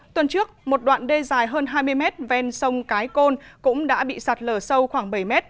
tuần trước một đoạn đê dài hơn hai mươi mét ven sông cái côn cũng đã bị sạt lở sâu khoảng bảy m